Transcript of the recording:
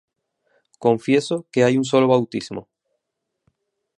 Confieso que hay un solo bautismo